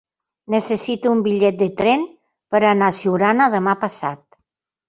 Necessito un bitllet de tren per anar a Siurana demà passat.